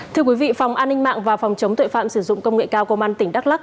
thưa quý vị phòng an ninh mạng và phòng chống tội phạm sử dụng công nghệ cao công an tỉnh đắk lắc